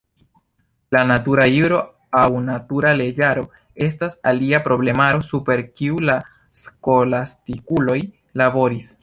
La natura juro aŭ natura leĝaro estas alia problemaro super kiu la skolastikuloj laboris.